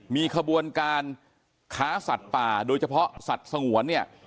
มีขบวนการค้าสัตว์ป่าโดยเฉพาะสัตว์สงวนเนี่ย